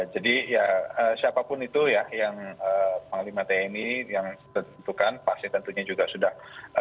jadi ya siapapun itu ya yang panglima tni yang tentukan pasti tentunya juga sudah